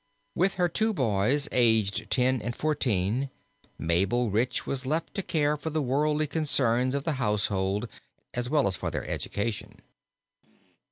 With her two boys, aged ten and fourteen, Mabel Rich was left to care for the worldly concerns of the household as well as for their education.